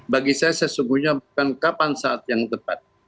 bagi saya sesungguhnya bukan kapan saat yang tepat